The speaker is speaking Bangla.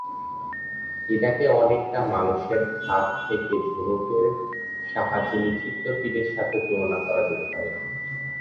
এটাকে অনেকটা মানুষের হাত থেকে ধনুকের সাহায্যে নিক্ষিপ্ত তীরের সাথে তুলনা করা যেতে পারে।